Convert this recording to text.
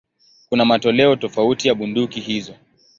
Kuna matoleo tofauti ya bunduki hizo.